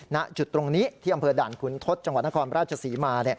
ณจุดตรงนี้ที่อำเภอด่านขุนทศจังหวัดนครราชศรีมา